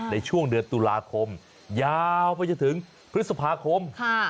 ในช่วงเดือนตุลาคมยาวไปจนถึงพฤษภาคม